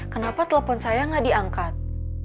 kenapa telfon saya nggak diangkat